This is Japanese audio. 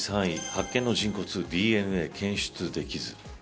発見の人骨、ＤＮＡ検出できず。